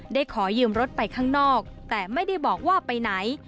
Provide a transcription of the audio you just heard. ขอยืมรถไปข้างนอกแต่ไม่ได้บอกว่าไปไหน